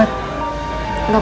yaudah kalau begitu